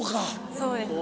そうですね。